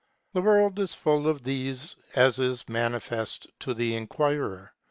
The world is full of these, as is manifest to the inquirer.